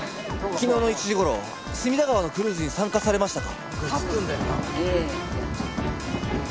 昨日の１時頃隅田川のクルーズに参加されましたか？